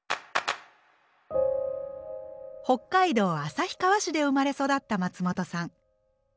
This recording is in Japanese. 北海道旭川市で生まれ育った松本さん。